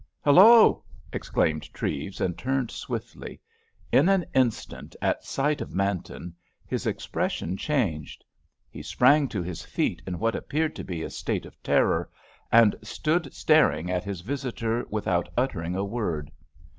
"Hallo!" exclaimed Treves, and turned swiftly. In an instant at sight of Manton his expression changed. He sprang to his feet in what appeared to be a state of terror, and stood staring at his visitor without uttering a word.